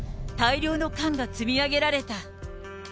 大量の缶が積み上げられた。